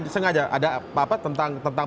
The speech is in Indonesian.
sengaja ada apa tentang